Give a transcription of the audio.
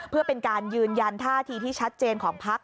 เพื่อเป็นการยืนยันท่าทีที่ชัดเจนของพัก